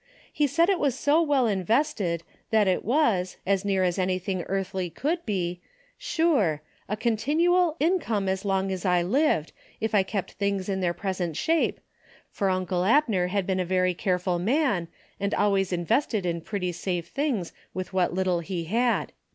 He said it Avas so well invested that it Avas, as near as anything earthly could be, sure, a continual ' income as long as I lived ' ifd kept things in their present' shape, for uncle Abner had been a very care ful man and ahvays invested in pretty safe 102 DAILY BATE. things with what little he had.